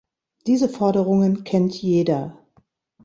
Diese Forderungen kennt jeder.